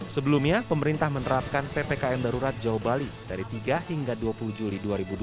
sebelumnya pemerintah menerapkan ppkm darurat jawa bali dari tiga hingga dua puluh juli dua ribu dua puluh